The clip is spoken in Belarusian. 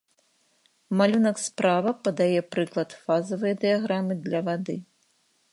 Малюнак справа падае прыклад фазавай дыяграмы для вады.